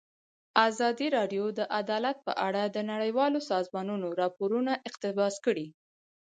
ازادي راډیو د عدالت په اړه د نړیوالو سازمانونو راپورونه اقتباس کړي.